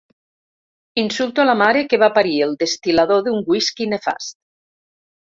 Insulto la mare que va parir el destil·lador d'un whisky nefast.